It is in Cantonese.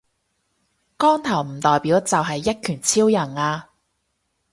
光頭唔代表就係一拳超人呀